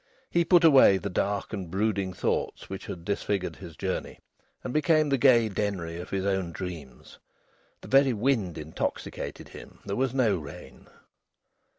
He put away the dark and brooding thoughts which had disfigured his journey, and became the gay Denry of his own dreams. The very wind intoxicated him. There was no rain.